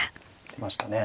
出ましたね。